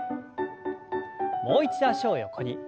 もう一度脚を横に。